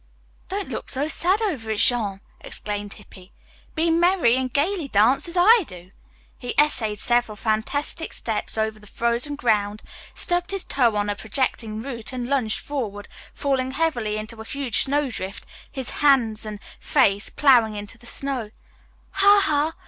"Don't look so sad over it, Jean!" exclaimed Hippy. "Be merry, and gayly dance as I do." He essayed several fantastic steps over the frozen ground, stubbed his toe on a projecting root and lunged forward, falling heavily into a huge snowdrift, his hands and face plowing into the snow. "Ha, ha!"